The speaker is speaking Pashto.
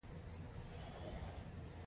هلک په بڼ کې لوبې کوي.